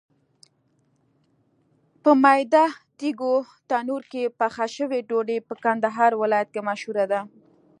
په میده تېږو تنور کې پخه شوې ډوډۍ په کندهار ولایت کې مشهوره ده.